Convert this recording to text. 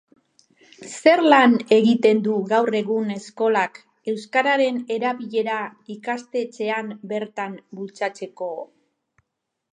Zer lan egiten du gaur egun eskolak euskararen erabilera ikastetxean bertan bultzatzeko?